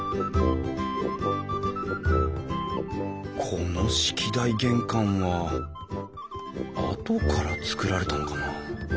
この式台玄関は後から造られたのかなあ